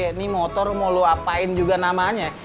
ini motor mau lo apain juga namanya